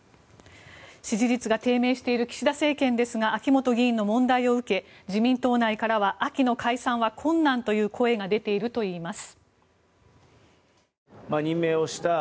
支持率が低迷している岸田政権ですが秋本議員の問題を受け自民党内からは秋の解散は困難という声が出ているといいます。